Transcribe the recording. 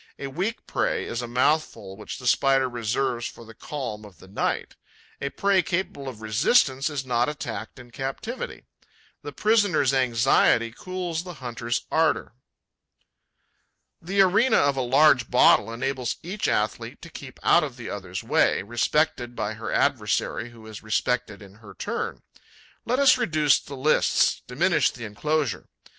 A weak prey is a mouthful which the Spider reserves for the calm of the night. A prey capable of resistance is not attacked in captivity. The prisoner's anxiety cools the hunter's ardour. The arena of a large bottle enables each athlete to keep out of the other's way, respected by her adversary, who is respected in her turn. Let us reduce the lists, diminish the enclosure.